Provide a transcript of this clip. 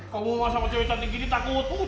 kamu sama cewek cantik gini takut